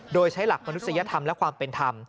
โดยใช้หลักมนุษยธรรมและความเป็นธรรม